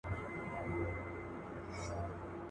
ما د حیاء پردو کي پټي غوښتې.